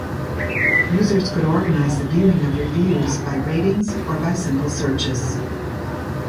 Users could organize the viewing of reviews by ratings or by simple searches.